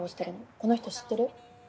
この人知ってる？